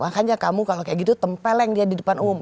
makanya kamu kalau kayak gitu tempeleng dia di depan umum